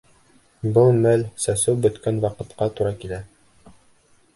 Был мәл сәсеү бөткән ваҡытҡа тура килә.